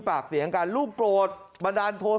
เขาก็เลยเฟี้ยงของเขาออกมาอย่างนี้